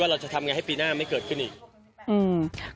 ว่าเราจะทำงานให้ปีหน้าไม่เกิดขึ้นอีก